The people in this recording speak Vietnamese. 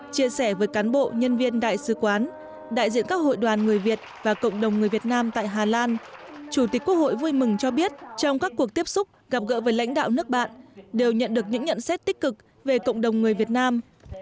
chia sẻ với cán bộ nhân viên đại sứ quán đại diện các hội đoàn người việt và cộng đồng người việt nam tại hà lan chủ tịch quốc hội vui mừng cho biết trong các cuộc tiếp xúc gặp gỡ với lãnh đạo nước bạn đều nhận được những nhận xét tích cực về cộng đồng người việt nam